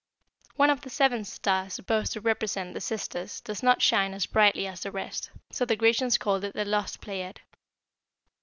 "One of the seven stars supposed to represent the sisters does not shine as brightly as the rest, so the Grecians called it the 'Lost Pleiad.'